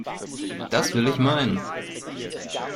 Das will ich meinen!